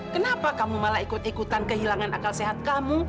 kenapa kamu malah ikut ikutan kehilangan akal sehat kamu